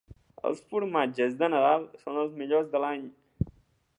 Els formatges de Nadal són els millors de l'any.